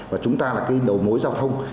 và chúng ta là cái đầu mối giao thông